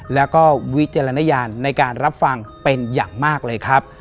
แล้วก็วิจารณญาณในการรับฟังเป็นอย่างมากเลยครับ